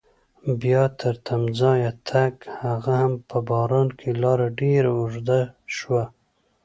بیا تر تمځایه تګ هغه هم په باران کې لاره ډېره اوږده شوه.